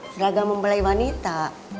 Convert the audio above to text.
seragam mempelai wanita